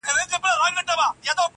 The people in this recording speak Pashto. دا به نو حتمي وي کرامت د نوي کال.